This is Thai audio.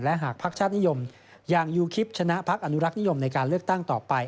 หากภักดิ์ชาตินิยมอย่างยูคิปชนะพักอนุรักษ์นิยมในการเลือกตั้งต่อไป